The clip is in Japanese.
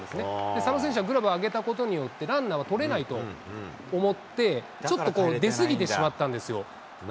佐野選手はグラブあげたことによって、ランナーは捕れないと思って、ちょっとこう、出すぎてしまったんですよ。